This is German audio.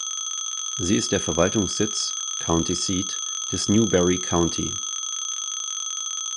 Sie ist der Verwaltungssitz (County Seat) des Newberry County.